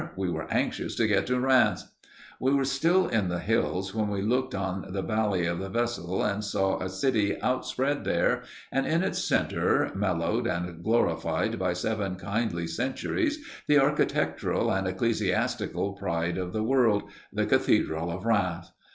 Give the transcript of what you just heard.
We were anxious to get to Rheims. We were still in the hills when we looked on the valley of the Vesle and saw a city outspread there, and in its center, mellowed and glorified by seven kindly centuries, the architectural and ecclesiastical pride of the world, the Cathedral of Rheims.